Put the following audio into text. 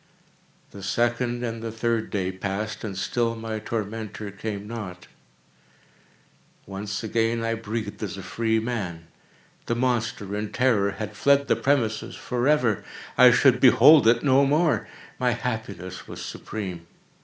The second and the third day passed, and still my tormentor came not. Once again I breathed as a freeman. The monster, in terror, had fled the premises forever! I should behold it no more! My happiness was supreme!